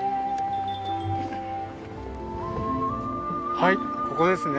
はいここですね。